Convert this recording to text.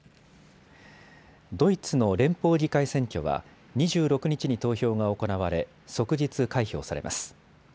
ドイツの連邦議会選挙は２６日に投票が行われ、即日開票されます。